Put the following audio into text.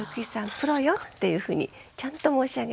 プロよっていうふうにちゃんと申し上げたいと思いますね。